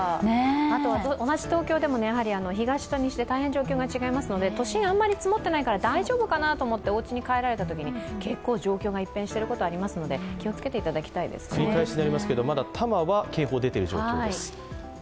同じ東京でも東と西で大変状況が違いますので都心はあんまり積もっていないから大丈夫かなと思っておうちに帰られたときに結構状況が一変していることがありますので、まだ多摩は警報が出ている状況です。